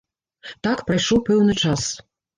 Так, прайшоў пэўны час.